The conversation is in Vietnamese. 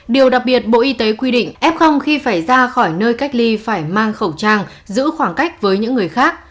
điều đặc biệt bộ y tế quy định f khi phải ra khỏi nơi cách ly phải mang khẩu trang giữ khoảng cách với những người khác